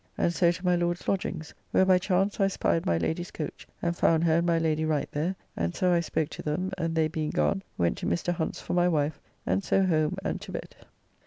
And so to my Lord's lodgings, where by chance I spied my Lady's coach, and found her and my Lady Wright there, and so I spoke to them, and they being gone went to Mr. Hunt's for my wife, and so home and to bed.